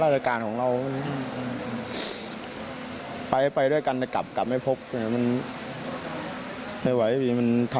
อยากกลับไปหาลูก